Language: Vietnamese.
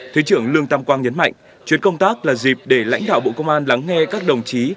thứ trưởng lương tam quang nhấn mạnh chuyến công tác là dịp để lãnh đạo bộ công an lắng nghe các đồng chí